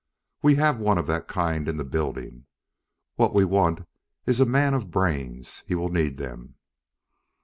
We have one of that kind in the building. What we want is a man of brains; he will need them."